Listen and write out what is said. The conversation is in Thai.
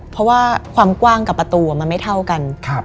เพราะว่าความกว้างกับประตูมันไม่เท่ากัน